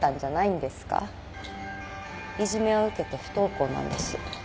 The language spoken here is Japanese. いじめを受けて不登校なんです。